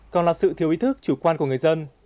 còn là sự thiếu ý thức chủ quan của người dân